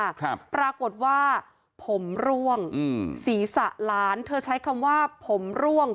ครับปรากฏว่าผมร่วงอืมศีรษะล้านเธอใช้คำว่าผมร่วง